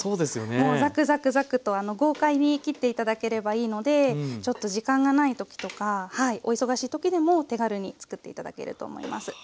もうザクザクザクと豪快に切って頂ければいいのでちょっと時間がない時とかはいお忙しい時でも手軽に作って頂けると思います。